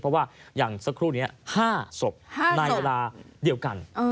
เพราะว่าอย่างสักครู่นี้๕ศพในเวลาเดียวกัน